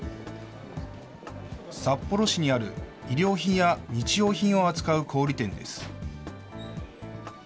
札幌市にある衣料品や日用品を扱う小売り店です。